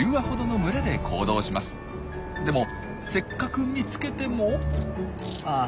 でもせっかく見つけても。